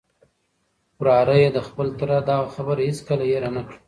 وراره یې د خپل تره دغه خبره هیڅکله هېره نه کړه.